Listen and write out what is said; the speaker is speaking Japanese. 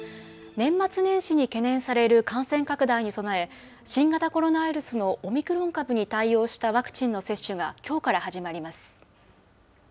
年末年始に懸念される感染拡大に備え新型コロナウイルスのオミクロン株に対応したワクチンの接種がきょうから始まります。